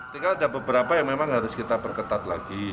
tinggal ada beberapa yang memang harus kita perketat lagi